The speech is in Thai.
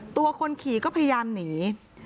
ตัวคนขี่ก็พยายามหนี